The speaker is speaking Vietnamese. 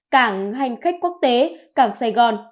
cảng hành khách quốc tế cảng sài gòn